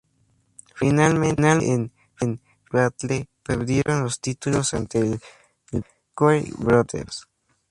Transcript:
Finalmente, en "Final Battle", perdieron los títulos ante the Briscoe Brothers.